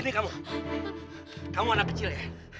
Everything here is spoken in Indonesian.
eh sini kamu kamu anak kecil ya